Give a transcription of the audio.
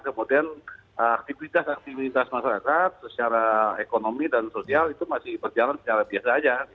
kemudian aktivitas aktivitas masyarakat secara ekonomi dan sosial itu masih berjalan secara biasa saja